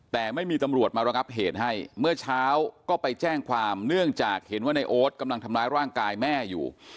แต่ไม่มีตำรวจมาระงับเหตุให้เมื่อเช้าก็ไปแจ้งความเนื่องจากเห็นว่าในโอ๊ตกำลังทำร้ายร่างกายแม่อยู่